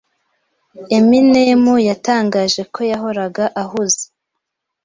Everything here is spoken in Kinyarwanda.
Eminem yatangaje ko yahoraga ahuze